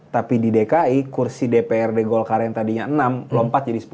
tapi di dki kursi dprd golkar yang tadinya enam lompat jadi sepuluh